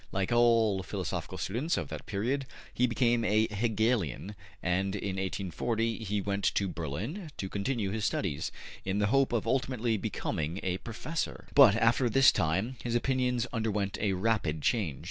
Like all philosophical students of that period, he became a Hegelian, and in 1840 he went to Berlin to continue his studies, in the hope of ultimately becoming a professor. But after this time his opinions underwent a rapid change.